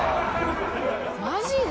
マジで？